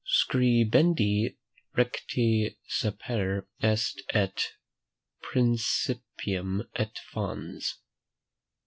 "Scribendi recte sapere est et principium et fons."